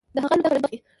د هغه الوتکه لږ مخکې.